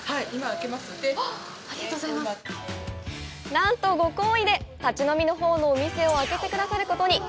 何とご厚意で、立ち飲みのほうのお店を開けてくださることに！